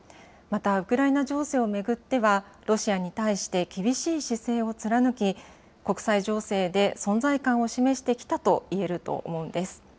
またウクライナ情勢を巡っては、ロシアに対して、厳しい姿勢を貫き、国際情勢で存在感を示してきたといえると思うんです。